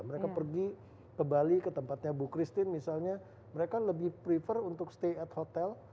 mereka pergi ke bali ke tempatnya bu christine misalnya mereka lebih prefer untuk stay at hotel